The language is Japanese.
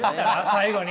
最後に。